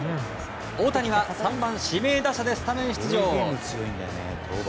大谷は３番指名打者でスタメン出場。